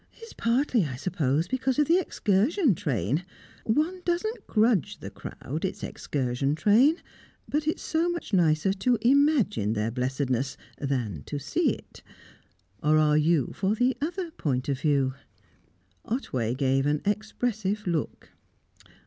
It's partly, I suppose, because of the excursion train. One doesn't grudge the crowd its excursion train, but it's so much nicer to imagine their blessedness than to see it. Or are you for the other point of view?" Otway gave an expressive look.